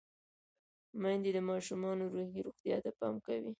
میندې د ماشومانو روحي روغتیا ته پام کوي۔